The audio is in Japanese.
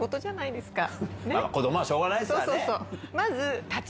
子どもはしょうがないですからね。